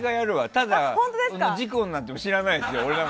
ただ、事故になっても知らないですよ。